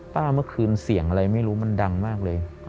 เมื่อคืนเสียงอะไรไม่รู้มันดังมากเลย